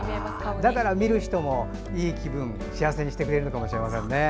だから、見る人もいい気分幸せにしてくれるのかもしれませんね。